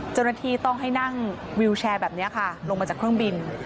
เจ้าหน้าที่ต้องให้นั่งวิวแชร์แบบนี้ค่ะลงมาจากเครื่องบิน